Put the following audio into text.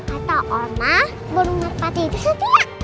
enggak tau omah burung merpati itu setiak